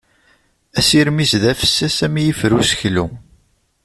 Asirem-is d afessas am yifer n useklu.